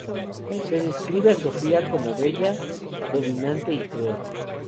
Se describe a Sofía como bella, dominante y cruel.